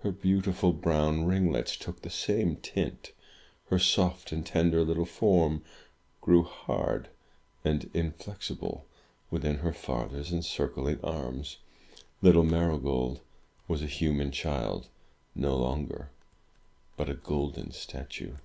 Her beautiful brown ringlets took the same tint. Her soft and tender little form grew hard and inflexible within her father's encircling arms. Little Marygold was a human child no longer, but a golden statue!